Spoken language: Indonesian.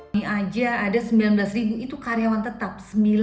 ini aja ada sembilan belas ribu itu karyawan tetap